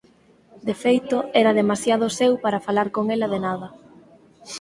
De feito, era demasiado seu para falar con ela de nada.